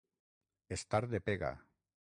Estar de pega.